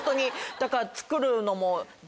だから作るのも。